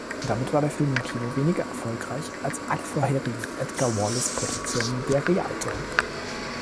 Damit war der Film im Kino weniger erfolgreich als alle vorherigen Edgar-Wallace-Produktionen der Rialto.